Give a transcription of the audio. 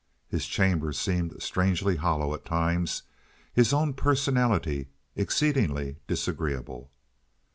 His chamber seemed strangely hollow at times—his own personality exceedingly disagreeable.